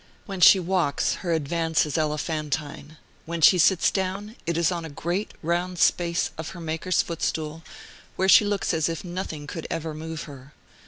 When she walks, her advance is elephantine. When she sits down, it is on a great round space of her Maker's footstool, where she looks as if nothing could ever move her.